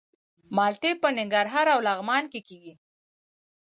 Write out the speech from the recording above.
مالټې په ننګرهار او لغمان کې کیږي.